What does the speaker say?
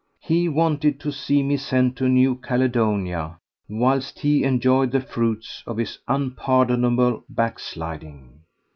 He wanted to see me sent to New Caledonia, whilst he enjoyed the fruits of his unpardonable backsliding.